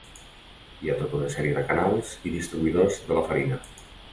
Hi ha tota una sèrie de canals i distribuïdors de la farina.